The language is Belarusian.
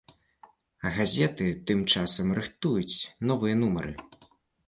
А газеты тым часам рыхтуюць новыя нумары.